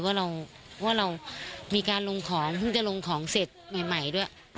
ว่าเรามีการลงของเพิ่งจะลงของเสร็จใหม่ด้วย